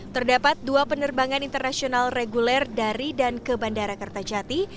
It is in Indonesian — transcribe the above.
terdapat dua penerbangan internasional reguler dari dan ke bandara kertajati